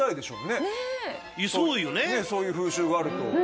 そういう風習があると。